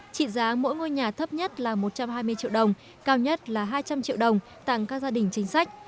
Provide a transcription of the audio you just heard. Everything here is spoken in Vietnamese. trị giá mỗi ngôi nhà thấp nhất là một trăm hai mươi triệu đồng cao nhất là hai trăm linh triệu đồng tặng các gia đình chính sách